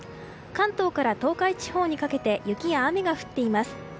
関東から東海地方にかけて雪や雨が降っています。